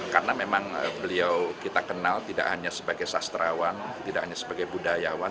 karena memang beliau kita kenal tidak hanya sebagai sastrawan tidak hanya sebagai budayawan